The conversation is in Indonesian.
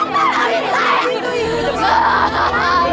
malah aku mau ngomong dulu sama kamu